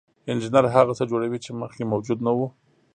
انجینر هغه څه جوړوي چې مخکې موجود نه وو.